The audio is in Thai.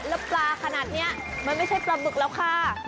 แล้วปลาขนาดนี้มันไม่ใช่ปลาบึกแล้วค่ะ